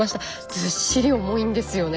ずっしり重いんですよね。